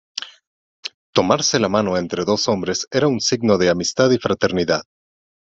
Tomarse la mano entre dos hombres era un signo de amistad y fraternidad.